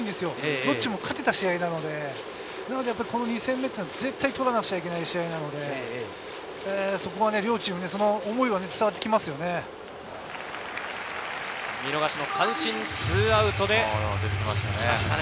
どっちも勝てた試合なので、２戦目は絶対取らなくちゃいけない試合なので、両チームその思いは伝わってきますね。